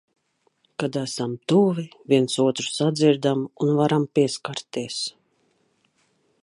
Kad esam tuvi, viens otru sadzirdam un varam pieskarties.